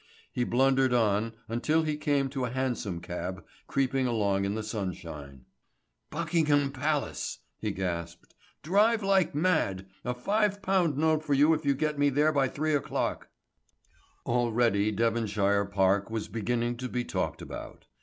He blundered on until he came to a hansom cab creeping along in the sunshine. "Buckingham Palace," he gasped. "Drive like mad. A five pound note for you if you get me there by three o'clock!" Already Devonshire Park was beginning to be talked about.